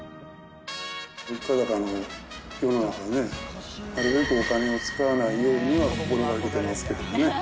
物価高の世の中ね、なるべくお金を使わないようには心がけてますけどね。